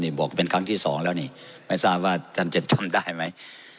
นี่บอกเป็นครั้งที่สองแล้วนี่ไม่ทราบว่าท่านจะจำได้ไหม